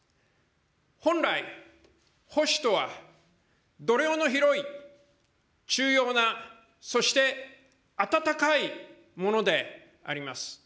本来、保守とは度量の広い中庸な、そして温かいものであります。